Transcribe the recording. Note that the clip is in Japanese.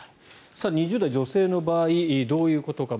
２０代女性の場合どういうことが。